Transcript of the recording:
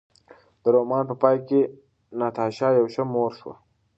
د رومان په پای کې ناتاشا یوه ښه مور شوه.